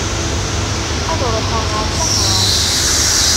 Ad ruḥeɣ ɣer Tahran.